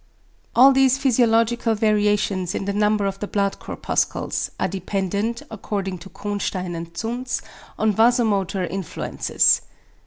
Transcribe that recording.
All these physiological variations in the number of the blood corpuscles, are dependent, according to Cohnstein and Zuntz, on vasomotor influences.